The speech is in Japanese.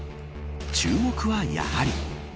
注目はやはり。